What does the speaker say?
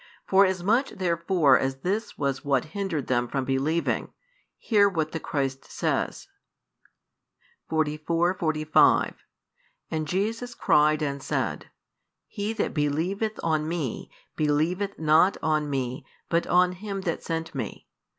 Forasmuch therefore as this was what hindered them from believing, hear what the Christ says: 44, 45 And Jesus cried and said, He that believeth on Me, believeth not on Me, but on Him that sent Me.